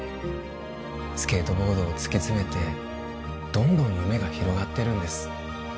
スケートボードを突き詰めてどんどん夢が広がってるんです